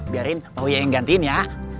biarin pak uya yang gantiin ya